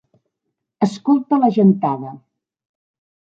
Escolta la gentada.